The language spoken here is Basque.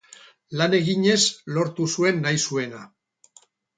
Lan eginez lortu zuen nahi zuena.